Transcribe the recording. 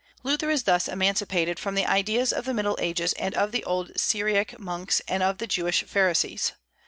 Luther is thus emancipated from the ideas of the Middle Ages and of the old Syriac monks and of the Jewish Pharisees.